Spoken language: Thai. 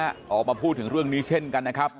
ออกมาพูดถึงเรื่องนี้เช่นกันนะครับ